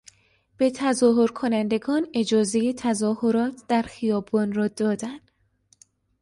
به تظاهر کنندگان اجازهی تظاهرات در خیابان را دادن